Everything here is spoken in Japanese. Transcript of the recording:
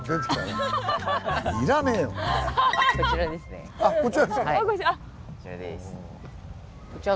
はいこちらです。